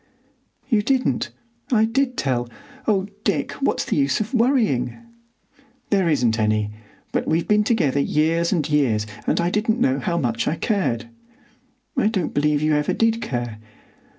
"You didn't. I did tell. Oh, Dick, what's the use of worrying?" "There isn't any; but we've been together years and years, and I didn't know how much I cared." "I don't believe you ever did care."